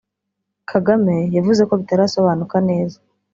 Kagame yavuze ko bitarasobanuka neza